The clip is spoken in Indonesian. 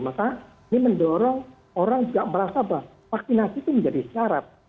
maka ini mendorong orang juga merasa bahwa vaksinasi itu menjadi syarat